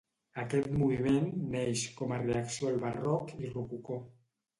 Aquest moviment neix com a reacció al Barroc i Rococó.